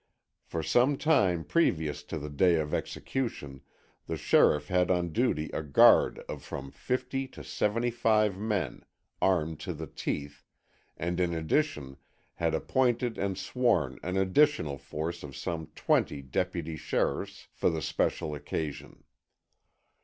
For some time previous to the day of execution the sheriff had on duty a guard of from fifty to seventy five men, armed to the teeth, and in addition had appointed and sworn an additional force of some twenty deputy sheriffs for the special occasion.